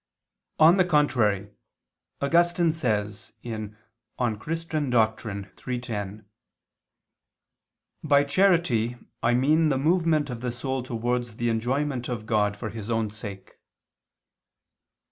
On the charity, Augustine says (De Doctr. Christ. iii, 10): "By charity I mean the movement of the soul towards the enjoyment of God for His own sake."